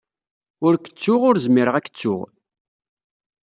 Ur k-ttuɣ, ur zmireɣ ad k-ttuɣ.